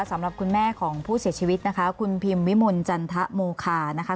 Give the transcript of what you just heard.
สำหรับคุณแม่ของผู้เสียชีวิตนะคะคุณพิมวิมลจันทะโมคานะคะ